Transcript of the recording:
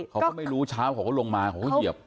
เขาก็ไม่รู้เช้าเขาก็ลงมาเขาก็เหยียบ